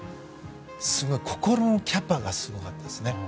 心のキャパがすごかったですね。